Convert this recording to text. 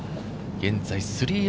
現在−３。